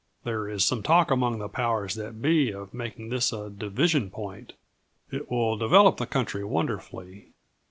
There is some talk among the powers that be of making this a division point. It will develop the country wonderfully.